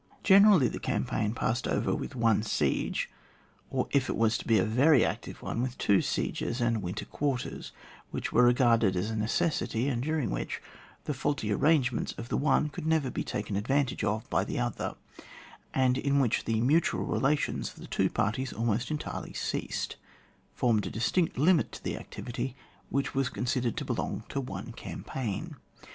Generally the campaign passed over with one siege, or if it was a very active one, with two sieges, and winter quarters, which were regarded as a neces sity, and during which, Uie faulty arrange ments of the one could never be taken advantage of by the other, and in which the mutual relations of the two parties almost entirely ceased, formed a distinct limit to the activity which was considered to belong to one campaign.